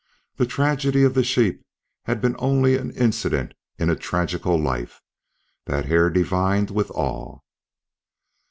The tragedy of the sheep had been only an incident in a tragical life that Hare divined with awe.